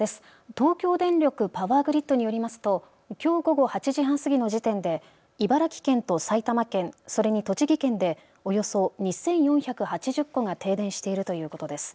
東京電力パワーグリッドによりますときょう午後８時半過ぎの時点で茨城県と埼玉県、それに栃木県でおよそ２４８０戸が停電しているということです。